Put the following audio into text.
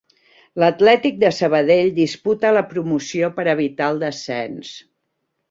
L'Atlètic de Sabadell disputa la promoció per evitar el descens.